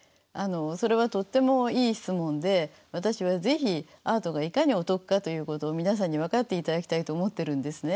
それはとってもいい質問で私は是非アートがいかにお得かということを皆さんに分かっていただきたいと思ってるんですね。